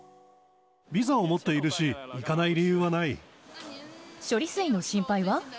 ビザを持っているし、行かな処理水の心配は？